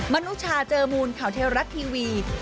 นุชาเจอมูลข่าวเทวรัฐทีวี